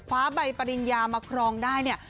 ใบปริญญามาครองได้เนี่ย